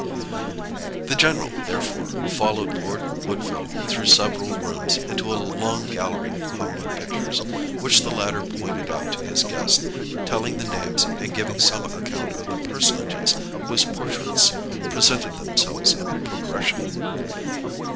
The general, therefore, followed Lord Woodville through several rooms, into a long gallery hung with pictures, which the latter pointed out to his guest, telling the names, and giving some account of the personages whose portraits presented themselves in progression.